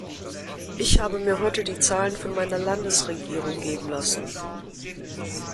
Ich habe mir heute die Zahlen von meiner Landesregierung geben lassen.